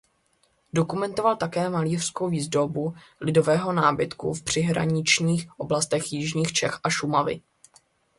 Dokumentoval také malířskou výzdobu lidového nábytku v příhraničních oblastech jižních Čech a Šumavy.